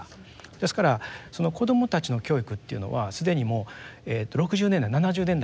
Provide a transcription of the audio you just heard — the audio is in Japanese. ですからその子どもたちの教育っていうのは既にもう６０年代７０年代から始まってます。